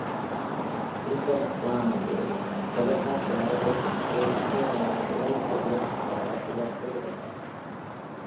கில்கர்வானில் தொலைக்காட்சி வரவேற்புக்கு விசையாழிகள் இடையூறு விளைவித்ததாக சிலர் கூறுகின்றனர்.